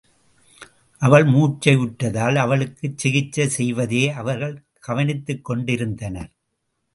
அவள் மூர்ச்சையுற்றதால் அவளுக்குச் சிகிக்சை செய்வதையே அவர்கள் கவனித்துக்கொண்டிருந்தனர்.